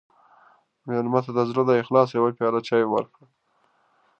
مېلمه ته د زړه له اخلاصه یوه پیاله چای ورکړه.